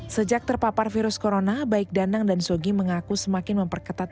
sejak terpapar virus corona baik danang dan shogi mengaku semakin memperketat